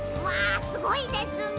すごいですね！